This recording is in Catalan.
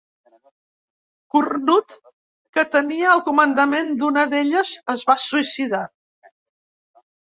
Cornut, que tenia el comandament d'una d'elles, es va suïcidar.